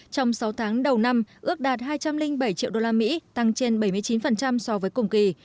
trong sáu tháng đầu năm ước đạt hai trăm linh bảy triệu usd tăng trên bảy mươi chín so với cùng kỳ